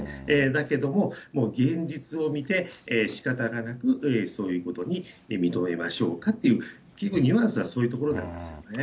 だけども、現実を見て、しかたがなく、そういうことに認めましょうかという、結局、ニュアンスはそういうところになりますね。